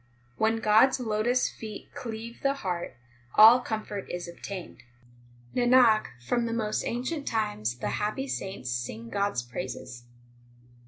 18 When God s lotus feet cleave the heart, All comfort is obtained. Nanak, from the most ancient times the happy saints sing God s praises.